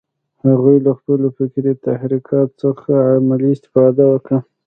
هغوی له خپلو فکري تحرکات څخه عملي استفاده وکړه